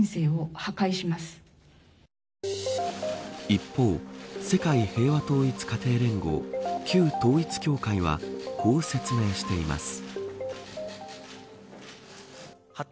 一方、世界平和統一家庭連合旧統一教会はこう説明しています。